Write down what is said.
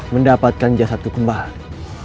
mendapatkan jasadku kembali